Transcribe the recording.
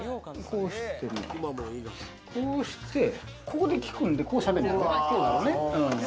こうして、ここで聞くんで、こうしゃべる。